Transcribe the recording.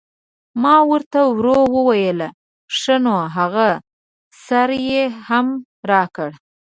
ما ور ته ورو وویل: ښه نو هغه سر یې هم راکړه.